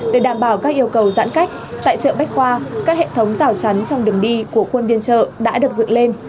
để đảm bảo các yêu cầu giãn cách tại chợ bách khoa các hệ thống rào chắn trong đường đi của quân biên chợ đã được dựng lên